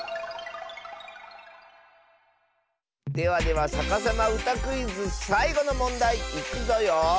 ではでは「さかさまうたクイズ」さいごのもんだいいくぞよ。